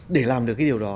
để làm được cái điều đó